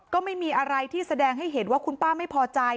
ก็ไม่มีอะไรที่แสดงให้เห็นว่าคุณป้าไม่พอใจ